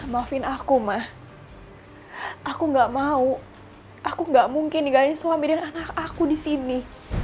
maafin aku ma aku enggak mau aku enggak mungkin tinggalin suami dan anak aku di sini